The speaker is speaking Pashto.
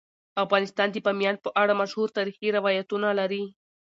افغانستان د بامیان په اړه مشهور تاریخی روایتونه لري.